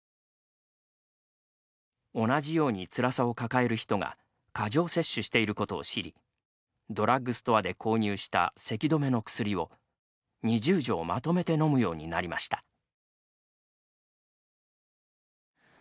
同じようにつらさを抱える人が過剰摂取していることを知りドラッグストアで購入したせき止めの薬を２０錠まとめてのむようになりました。